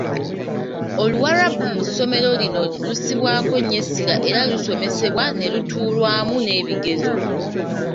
Oluwarabu mu ssomero lino lussibwako nnyo essira era lusomesebwa ne lutuulwamu n'ebigezo.